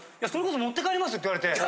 持って帰ります？」って言われて。